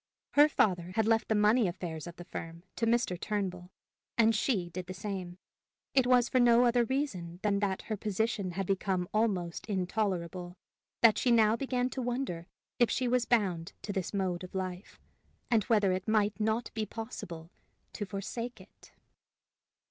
Her father had left the money affairs of the firm to Mr. Turnbull, and she did the same. It was for no other reason than that her position had become almost intolerable, that she now began to wonder if she was bound to this mode of life, and whether it might not be possible to forsake it.